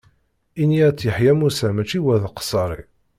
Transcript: Ini At Yeḥya Musa mačči Wad Qsaṛi.